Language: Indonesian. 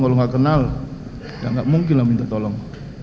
kalau nggak kenal ya nggak mungkin lah minta tolong